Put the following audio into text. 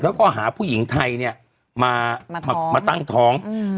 แล้วก็หาผู้หญิงไทยเนี่ยมามาตั้งท้อง